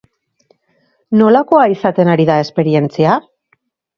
Nolakoa izaten ari da esperientzia?